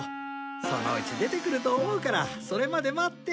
そのうち出てくると思うからそれまで待って。